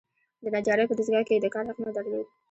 د نجارۍ په دستګاه کې یې د کار حق نه درلود.